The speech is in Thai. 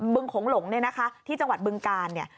ึงโขงหลงเนี่ยนะคะที่จังหวัดบึงกาลเนี่ย